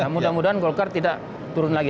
mudah mudahan golkar tidak turun lagi